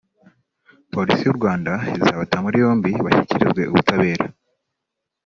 Polisi y’u Rwanda izabata muri yombi bashyikirizwe ubutabera